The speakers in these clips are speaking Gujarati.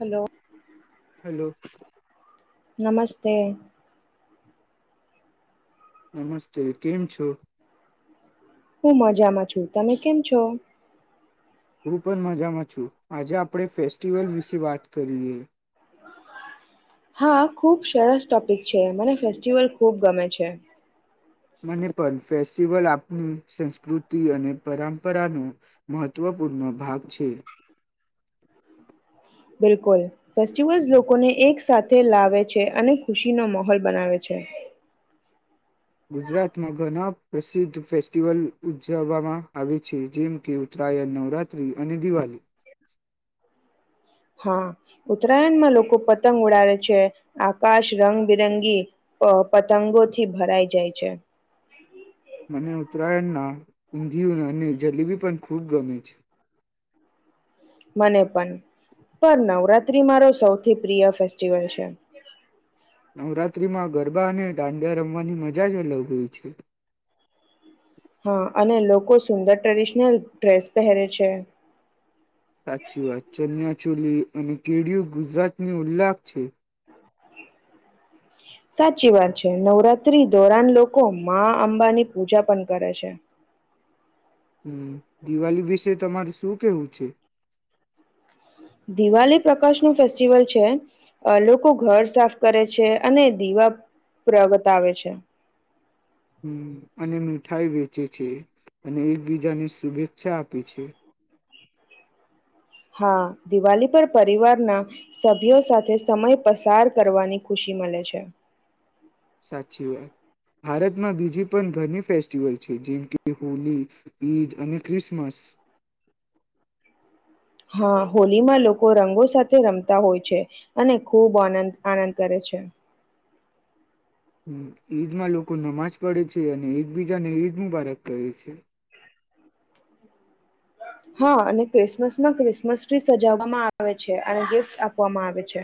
Hello hello. નમસ્તે. નમસ્તે કેમ છો? હું મજામાં છું. તમે કેમ છો? હું પણ મજામાં છું. આજે આપણે ફેસ્ટિવલ વિશે વાત કરીએ. હા ખૂબ સરસ ટોપીક છે મને ફેસ્ટિવલ ખૂબ ગમે છે. મને પણ ફેસ્ટિવલ આપણી સંસ્કૃતિ અને પરંપરાનો મહત્વપૂર્ણ ભાગ છે. બિલકુલ ફેસ્ટિવલ્સ લોકોને એક સાથે લાવે છે અને ખુશી નો મોહોલ બનાવે છે. ગુજરાતમાં ઘણા પ્રસિદ્ધ ફેસ્ટિવલ ઉજવવામા આવે છે જેમ કે ઉતરાયણ, નવરાત્રી અને દિવાલી. હા ઉત્તરાયણમાં લોકો પતંગ ઉડાવે છે. આકાશ રંગબેરંગી અ પતંગોથી ભરાઈ જાય છે. મને ઉત્તરાયણના ઊંધિયુ અને જલેબી પણ ખૂબ ગમે છે. મને પણ પણ નવરાત્રી મારો સૌથી પ્રિય ફેસ્ટિવલ છે. નવરાત્રીમાં ગરબા અને દાંડિયા રમવાની મજા જ અલગ હોય છે. હા અને લોકો સુંદર ટ્રેડિશનલ ડ્રેસ પહેરે છે. સાચી વાત ચનિયા ચોલી અને કેડિયુ ગુજરાતની ઉલ્લાખ છે. સાચી વાત છે. નવરાત્રી ધોરાણ લોકો માં અંબાની પૂજા પણ કરે છે. હમમ. દિવાળી વિશે તમારે શું કેવું છે? દિવાળી પ્રકાશ નું ફેસ્ટિવલ છે અ લોકો ઘર સાફ કરે છે અને દીવા પ્રગટાવે છે. હમમ અને મીઠાઈ વેચે છે અને એકબીજાને શુભેચ્છા આપે છે. હા દિવાળી પર પરિવારના સભ્યો સાથે સમય પસાર કરવાની ખુશી મલે છે. સાચી વાત. ભારતમાં બીજી પણ ઘણી ફેસ્ટિવલ છે જેમ કે હોલી, ઈદ અને ક્રિસમસ. હા હોલીમાં લોકો રંગો સાથે રમતા હોય છે અને ખૂબ આનંદ આનંદ કરે છે. હમમ ઈદમાં લોકો નમાજ પડે છે અને એકબીજાને ઈદ મુબારક કહે છે. હા અને ક્રિસમસમાં ક્રિસમસ ટ્રી સજવવામાં આવે છે અને ગિફ્ટ આપવામાં આવે છે.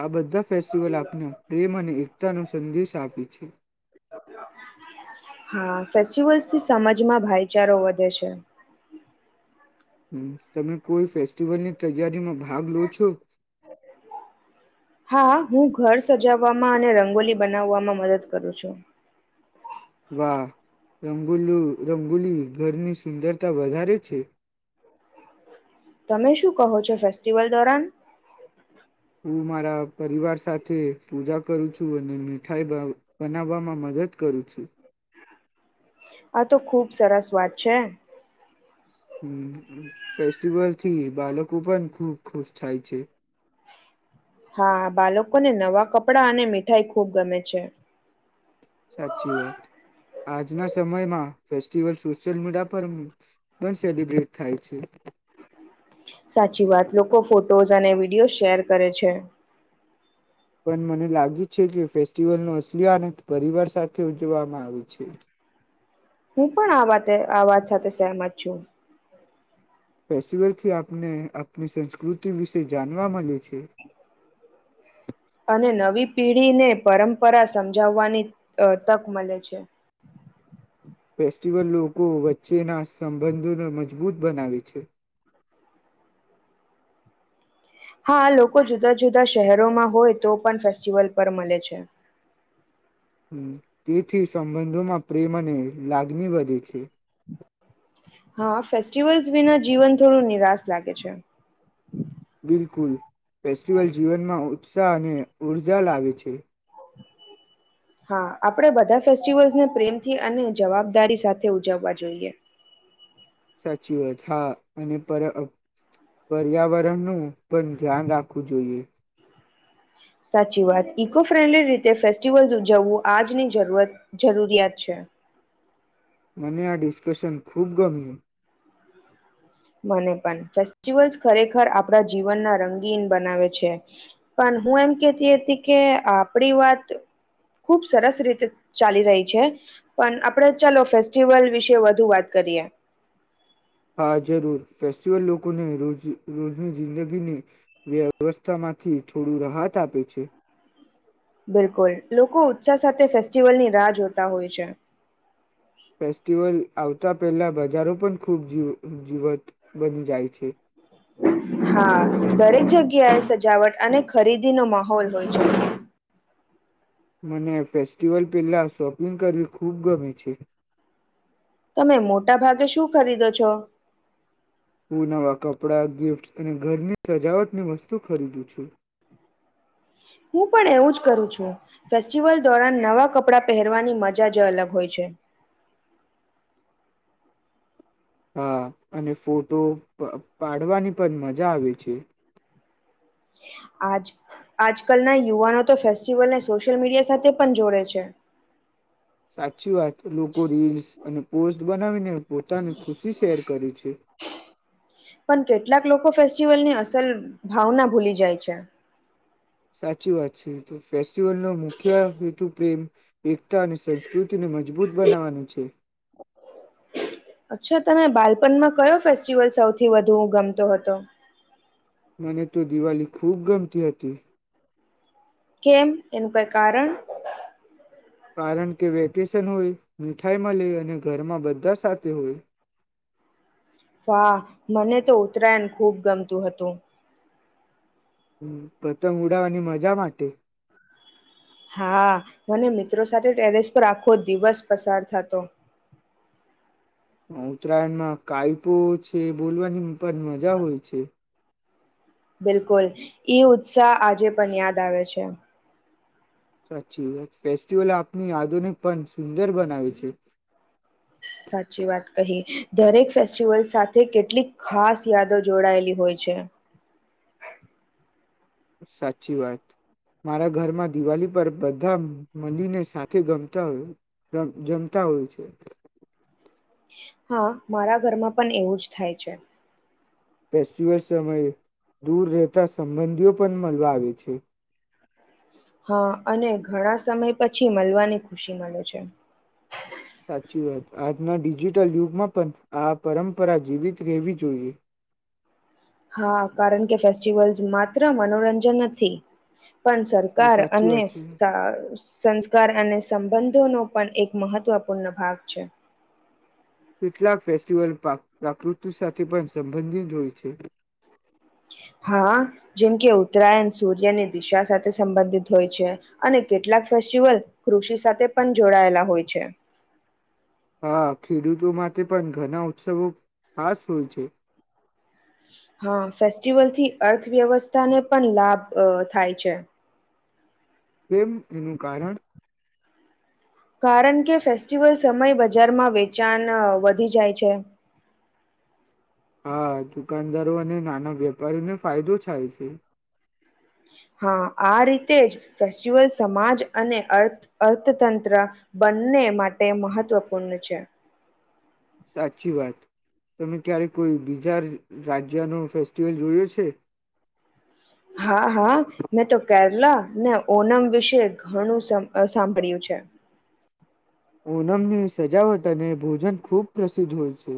આ બધા ફેસ્ટિવલ આપના પ્રેમ અને એક ન સંદેશ આપે છે હા ફેસ્ટિવલ્સથી સમજમાં ભાઈચારો વધે છે હ તમે કોઈ ફેસ્ટિવલ ની તૈયારીમાં ભાગલો છો હા હું ઘર સજાવવામાં અને રંગોલી બનાવવામાં મદદ કરું છું રંગો રંગોલી ઘરની સુંદરતા વધારે છે તમે શું કહો છો ફેસ્ટિવલ દોરન હું મારા પરિવાર સાથે પૂજા કરું છું અને મીઠાઈ બનાવવામાં મદદ કરું છું આ તો ખુબ સરસ વાત છે ફેસ્ટિવલથી બાળકો પણ ખૂબ ખુશ થાય છે હા બાળકોને નવા કપડાં અને મીઠાઈ ખૂબ ગમે છે સાચી વાત આજના સમયમાં ફેસ્ટિવલ સોશિયલ મીડિયા પર પણ સેલિબ્રેટ થાય છે સાચી વાત લોકો ફોટોઝ અને વિડિયોઝ શેર કરે છે પણ મને લાગે છે કે ફેસ્ટિવલનો અસલી આનંદ પરિવાર સાથે ઉજવામાં આવે છે હું પણ આ વાતે આવાત સાથે સહેમત છું ફેસ્ટિવલથી આપને આપની સંસ્કૃતિ વિશે જાણવા મળે છે અને નવી પેઢીને પરંપરા સમજાવવાની તક મળે છે ફેસ્ટિવલ લોકો વચ્ચેના સંબંધોને મજબૂત બનાવે છે હા લોકો જુદા જુદા શહેરોમાં હોય તો પણ ફેસ્ટિવલ પર મળે છે તેથી સંબંધોમાં પ્રેમ અને લાગણી વધે છે હા ફેસ્ટિવલ્સ વિના જીવન થોડું નિરાશ લાગે છે બિલકુલ ફેસ્ટિવલ જીવનમાં ઉત્સાહ અને ઉર્જા લાવે છે હા આપણે બધા ફેસ્ટિવલ્સને પ્રેમથી અને જવાબદારી સાથે ઉજવવા જોઈએ સાચી વાત હા અને પર પર્યાવરણનું પણ ધ્યાન રાખવું જોઈએ સાચી વાત ઈકો ફ્રેન્ડલી રીતે ફેસ્ટિવલ્સ ઉજવવું આજની જરૂરિયાત છે મને આ ડિસ્કશન ખૂબ ગમ્યું મને પણ ફેસ્ટિવલસ ખરેખર આપણા જીવનના રંગીન બનાવે છે પણ હું એમ કેતી હતી કે આપડી વાત ખુબ સરસ રીતે ચાલી રહી છે પણ આપણે ચાલો ફેસ્ટિવલ વિશે વધુ વાત કરીએ હા જરૂર ફેસ્ટિવલ લોકોને રોજ રોજની જિંદગીની વ્યવસ્થામાંથી થોડું રાહત આપે છે બિલકુલ લોકો ઉત્સાહ સાથે ફેસ્ટિવલની રાહ જોતા હોય છે ફેસ્ટિવલ આવતા પહેલાં બજારો પણ ખૂબ જી જીવત બની જાય છે હા દરેક જગ્યા ક્યાય સજાવટ અને ખરીદીનો માહોલ હોય છે મને ફેસ્ટિવલ પહેલા શોપિંગ કરવી ખૂબ ગમે છે તમે મોટા ભાગે શું ખરીદો છો હું નવા કપડાં ગિફ્ટ્સ અને ઘરની સજાવટની વસ્તુ ખરીદું છું હું પણ એવું જ કરું છું ફેસ્ટિવલ દોરન નવા કપડા પહેરવાની મજા જ અલગ હોય છે હા અને ફોટો પાડવાની પણ મજા આવે છે આજકાલના યુવાનો તો ફેસ્ટિવલને સોશિયલ મીડિયા સાથે પણ જોડે છે સાચી વાત લોકો રીલ્સ અને પોસ્ટ બનાવીને પોતાની ખુશી શેર કરે છે. પણ કેટલાક લોકો ફેસ્ટિવલની અસલ ભાવના ભૂલી જાય છે. સાચી વાત તો ફેસ્ટિવલ નો મુખ્ય હેતુ પ્રેમ એકતા અને સંસ્કૃતિને મજબૂત બનાવવાનું છે. અચ્છા તમે બાલપણમાં કયો ફેસ્ટિવલ સૌથી વધુ ગમતો હતો. મને તો દિવાળી ખૂબ ગમતી હતી. કેમ એનું કાઈ કારણ કારણ કે વેકેશન હોય મીઠાઈ મળી અને ઘરમાં બધા સાથે હોય. વાહ મને તો ઉત્તરાયણ ખૂબ ગમતું હતું. હમ પતંગ ઉડાવવાની મજા માટે હા મને મિત્રો સાથે ટેરેસ પર આખો દિવસ પસાર થાતો ઉત્તરાયણમાં કાયપો છે બોલવાની પણ મજા હોય છે. બિલકુલ ઈ ઉત્સાહ આજે પણ યાદ આવે છે. સાચી વાત ફેસ્ટિવલ આપની આધુનિક પણ સુંદર બનાવે છે. સાચી વાત કહી દરેક ફેસ્ટિવલ સાથે કેટલીક ખાસ યાદો જોડાયેલી હોય છે. સાચી વાત મારા ઘરમાં દિવાળી પર બધા મળીને સાથે ગમતા હોય જમતા હોય છે. હા મારા ઘરમાં પણ એવું જ થાય છે. ફેસ્ટિવલ સમયે દૂર રહેતા સંબંધીઓ પણ મળવા આવે છે. હા અને ઘણા સમય પછી મલવાની ખુશી મળે છે. સાચી વાત આજના ડિજિટલ યુગમાં પણ આ પરંપરા જીવિત રહેવી જોઈએ. હા કારણ કે ફેસ્ટિવલ્સ માત્ર મનોરંજન નથી. પણ સરકાર સાચી અને વાત છે સંસ્કાર અને સંબંધ તો નો પણ એક મહત્વપૂર્ણ ભાગ છે. કેટલાક ફેસ્ટિવલ પ્રાકૃતિ સાથે પણ સંબંધિત હોય છે. હા જેમ કે ઉત્તરાયણ સૂર્યની દિશા સાથે સંબંધિત હોય છે અને કેટલાક ફેસ્ટિવલ કૃષિ સાથે પણ જોડાયેલા હોય છે. હા ખેડૂતો માટે પણ ઘણા ઉત્સવો ખાસ હોય છે. હા ફેસ્ટિવલથી અર્થવ્યવસ્થાને પણ લાભ અ થાય છે. કેમ એનું કારણ કારણ કે ફેસ્ટિવલ સમયે બજારમાં વેચાણ વધી જાય છે. હા દુકાનદારો અને નાના વેપારીને ફાયદો થાય છે. હા આ રીતે જ ફેસ્ટિવલ સમાજ અને અર્થ અર્થતંત્ર બંને માટે મહત્વપૂર્ણ છે. સાચી વાત તમે ક્યારે કોઈ બીજા રાજ્યનો ફેસ્ટિવલ જોયો છે. હા હા મેં તો કેરલા ને ઓનમ વિશે ઘણું સાભ સાંભળ્યું છે. ઓનમ ની સજાવત ત અને ભોજન ખુબ પ્રસિદ્ધ હોય છે.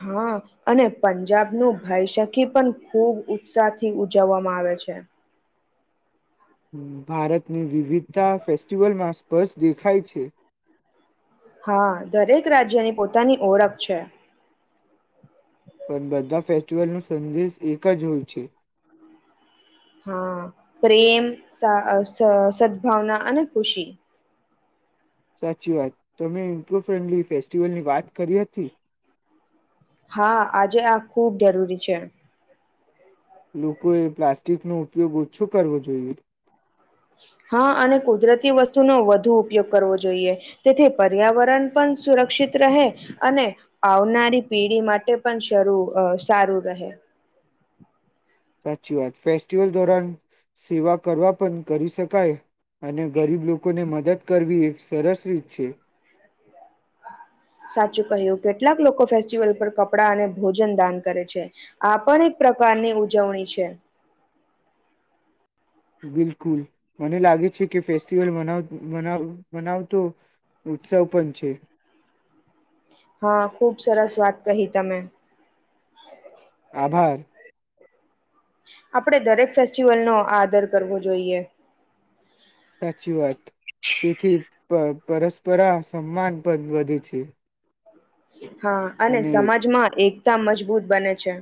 હા અને પંજાબનો ભાઈ સખી પણ ખુબ ઉત્સાહથી ઉજવવામાં આવે છે. ભારતની વિવિધ તા ફેસ્ટીિવલમાં બસ દેખાય છે. હા દરેક રાજ્યની પોતાની ઓળખ છે. પણ બધા ફેસ્ટિવલનો સંદેશ એક જ હોય છે. હા પ્રેમ સા અ સદભાવના અને ખુશી સાચી વાત તમે ઇકો ફ્રેન્ડલી ફેસ્ટિવલની વાત કરી હતી. હા આજે આ ખુબ જરૂરી છે. લોકોએ પ્લાસ્ટિકનો ઉપયોગ ઓછો કરવો જોઈએ. હા અને કુદરતી વસ્તુનો વધુ ઉપયોગ કરવો જોઈએ તેથી પર્યાવરણ પણ સુરક્ષિત રહે અને આવનારી પેઢી માટે પણ શરૂ આ સારું રહે સાચી વાત ફેસ્ટિવલ દોરન સેવા કરવા પણ કરી શકાય અને ગરીબ લોકોને મદદ કરવી એક સરસ રીત છે. સાચું કહ્યું કેટલાક લોકો ફેસ્ટિવલ પર કપડાં અને ભોજન દાન કરે છે આ પણ એક પ્રકારની ઉજવણી છે. બિલકુલ મને લાગે છે કે ફેસ્ટિવલ મનાવ-મનાવ-મનાવતો ઉત્સવ પણ છે. હા, ખુબ સરસ વાત કહી તમે. આભાર. આપણેે દરેક ફેસ્ટિવલ નો આદર કરવો જોઈએ. સાચી વાત તેથી પ અહ પરસ્પરા સન્માન પણ વધે છે. હા અને સમાજમાં એક તા મજબૂત બને છે.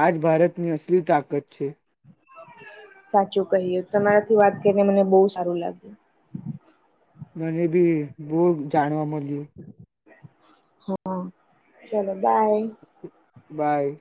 આજ ભારતની અસલી તાકાત છે. સાચું કહ્યું તમારાથી વાત કરીને મને બહુ સારું લાગ્યું. મને બી બહુ જાણવા મલ લ્યુ. હા, ચાલો બાય. બાય.